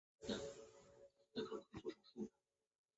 张议潮的女婿索勋拥立张淮鼎为归义军节度使留后。